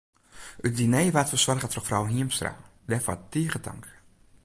It diner waard fersoarge troch frou Hiemstra, dêrfoar tige tank.